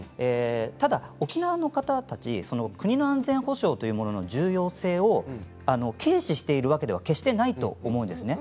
ただ、沖縄の方たち国の安全保障というものの重要性を軽視しているわけでは決してないと思うんですね。